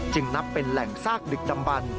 นับเป็นแหล่งซากดึกดำบัน